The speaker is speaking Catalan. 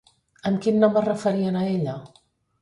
Amb quin nom es referien a ella?